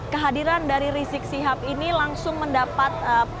kehadiran dari rizik sihab ini langsung mendapat